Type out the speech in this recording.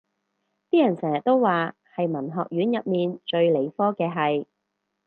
啲人成日都話係文學院入面最理科嘅系